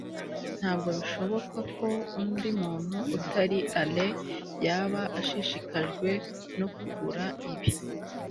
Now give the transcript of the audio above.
ntabwo bishoboka ko undi muntu utari alain yaba ashishikajwe no kugura ibi